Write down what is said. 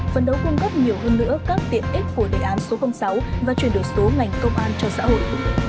phần đấu cung cấp nhiều hơn nữa các tiện ích của đề án số sáu và chuyển đổi số ngành công an cho xã hội